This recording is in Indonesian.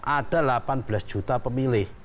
ada delapan belas juta pemilih